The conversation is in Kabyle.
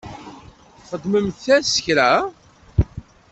Txedmemt-as kra?